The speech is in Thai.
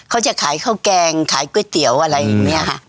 เขาจะขายข้าวแกงขายก๋วยเตี๋ยวอะไรอย่างนี้ค่ะ